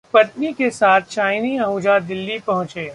पत्नी के साथ शाइनी आहूजा दिल्ली पहुंचे